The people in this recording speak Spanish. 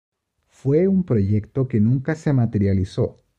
Fue un proyecto que nunca se materializó.